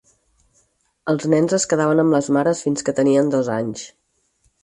Els nens es quedaven amb les mares fins que tenien dos anys.